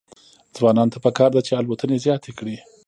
ځوانانو ته پکار ده چې، الوتنې زیاتې کړي.